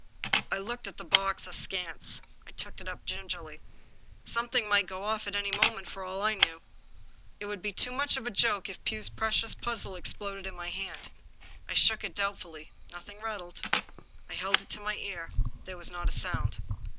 I looked at the box askance. I took it up gingerly. Something might go off at any moment for all I knew. It would be too much of a joke if Pugh's precious puzzle exploded in my hand. I shook it doubtfully; nothing rattled. I held it to my ear. There was not a sound.